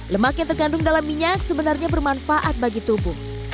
lemak yang terkandung dalam minyak sebenarnya bermanfaat bagi tubuh